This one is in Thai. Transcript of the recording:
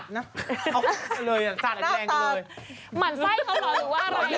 กลัวดำ